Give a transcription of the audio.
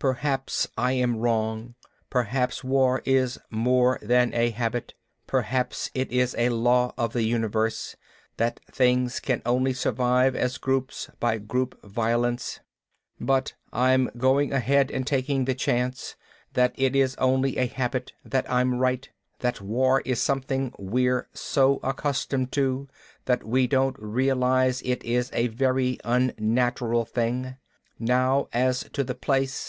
Perhaps I am wrong, perhaps war is more than a habit. Perhaps it is a law of the universe, that things can only survive as groups by group violence. "But I'm going ahead and taking the chance that it is only a habit, that I'm right, that war is something we're so accustomed to that we don't realize it is a very unnatural thing. Now as to the place!